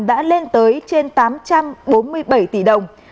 đã lên tới trên tám trăm bốn mươi bảy tỷ đồng